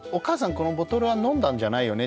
このボトルは飲んだんじゃないよね？